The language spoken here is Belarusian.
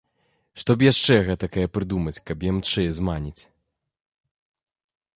Што б яшчэ гэтакае прыдумаць, каб ямчэй зманіць.